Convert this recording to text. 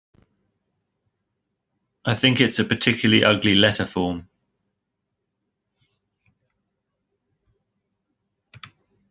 I think it's a particularly ugly letter form.